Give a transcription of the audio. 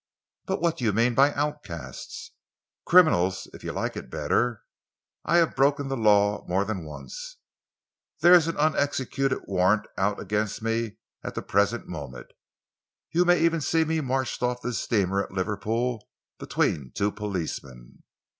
"But what do you mean by outcasts?" "Criminals, if you like it better. I have broken the law more than once. There is an unexecuted warrant out against me at the present moment. You may even see me marched off this steamer at Liverpool between two policemen."